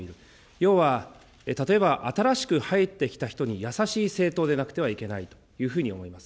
要は、例えば、新しく入ってきた人に、優しい政党でなくてはいけないというふうに思います。